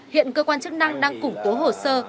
hiện cơ quan chức năng đang củng cố hồ sơ